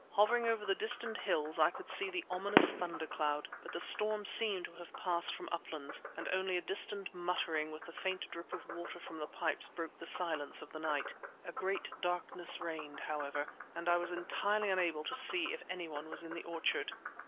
Hovering over the distant hills I could see the ominous thunder cloud, but the storm seemed to have passed from "Uplands," and only a distant muttering with the faint dripping of water from the pipes broke the silence of the night. A great darkness reigned, however, and I was entirely unable to see if any one was in the orchard.